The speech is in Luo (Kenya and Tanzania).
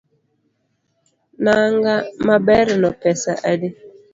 Nanga maberno pesa adi?